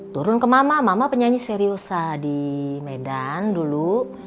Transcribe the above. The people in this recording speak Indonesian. turun ke mama mama penyanyi seri usaha di medan dulu